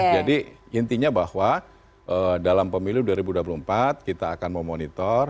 jadi intinya bahwa dalam pemiliu dua ribu dua puluh empat kita akan memonitor